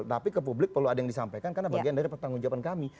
tapi ke publik perlu ada yang disampaikan karena bagian dari pertanggung jawaban kami